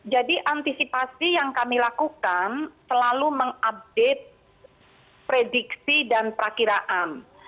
jadi antisipasi yang kami lakukan selalu mengupdate prediksi dan perkiraan